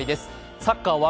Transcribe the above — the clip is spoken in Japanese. サッカー